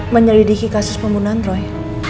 menyelidiki kasus pembunuhan roy